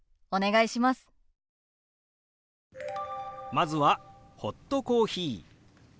まずは「ホットコーヒー」。